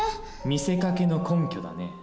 見せかけの根拠だね。